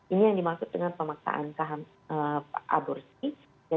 ini yang dimaksud dengan pemaksaan aborsi